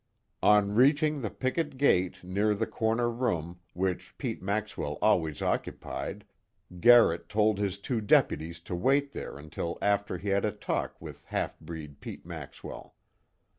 On reaching the picket gate, near the corner room, which Pete Maxwell always occupied, Garrett told his two deputies to wait there until after he had a talk with half breed Pete Maxwell.